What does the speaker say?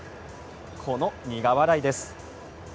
この苦笑いです。